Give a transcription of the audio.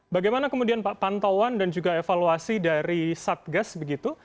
bagaimana kemudian pak pantauan dan juga evaluasi dari satgas begitu